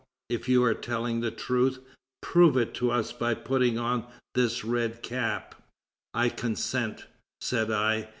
if you are telling the truth, prove it to us by putting on this red cap.' 'I consent,' said I.